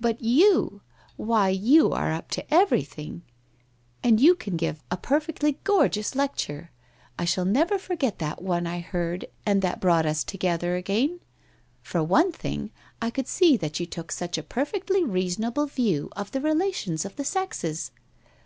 But you — why, you are up to everything. And you can give a perfectly gorgeous 58 WHITE ROSE OF WEARY LEAF lecture. T shall never forget that one I heard and that brought us together again. For one thing, I could see that you took such a perfectly reasonable view of the re lations of the sexes.